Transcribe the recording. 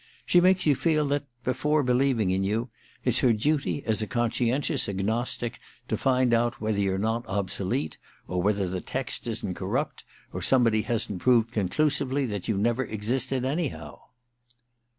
She makes you feel that, before be lieving in you, it's her duty as a conscientious agnostic to find out whether you're not obsolete, or whether the text isn't corrupt, or somebody hasn't proved conclusively that you never existed, anyhow.'